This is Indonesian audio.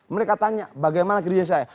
mereka tanya bagaimana kerja saya